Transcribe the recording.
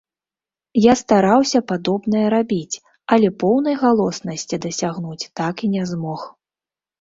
Я стараўся падобнае рабіць, але поўнай галоснасці дасягнуць так і не змог.